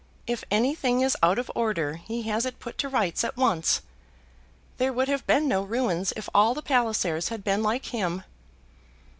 If anything is out of order he has it put to rights at once. There would have been no ruins if all the Pallisers had been like him."